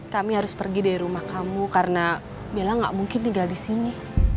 kami harus pergi dari rumah kamu karena mila gak mungkin tinggal di sini